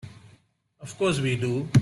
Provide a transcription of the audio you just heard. Of course we do.